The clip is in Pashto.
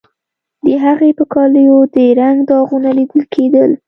د هغې په کالیو د رنګ داغونه لیدل کیدل